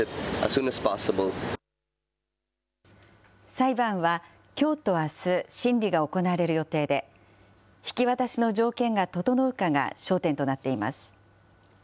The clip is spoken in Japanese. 裁判は、きょうとあす、審理が行われる予定で、引き渡しの条件が整うかが焦点となっています。